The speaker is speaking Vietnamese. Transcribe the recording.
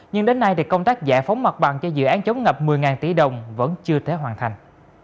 nhưng đến nay thì công tác giải phóng mặt bằng cho dự án chống ngập một mươi tỷ đồng vẫn chưa thể hoàn thành